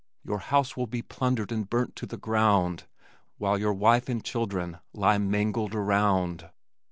Your house will be plundered and burnt to the ground While your wife and your children lie mangled around.